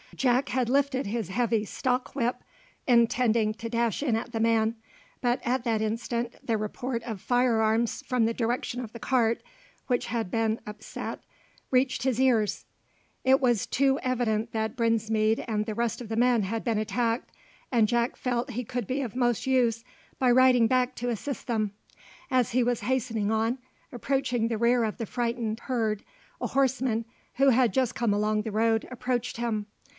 Jack had lifted his heavy stock whip, intending to dash in at the man; but at that instant the report of fire arms from the direction of the cart which had been upset reached his ears. It was too evident that Brinsmead and the rest of the men had been attacked, and Jack felt he could be of most use by riding back to assist them. As he was hastening on, approaching the rear of the frightened herd, a horseman who had just come along the road approached him.